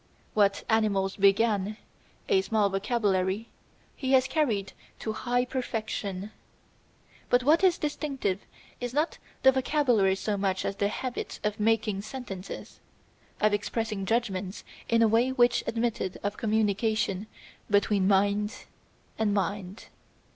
What animals began a small vocabulary he has carried to high perfection. But what is distinctive is not the vocabulary so much as the habit of making sentences, of expressing judgments in a way which admitted of communication between mind and mind.